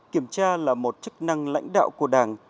kiểm tra là một chức năng lãnh đạo của đảng